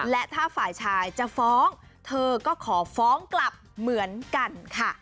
และถ้าฝ่ายชายจะฟ้องเธอก็ขอฟ้องกลับเหมือนกันค่ะ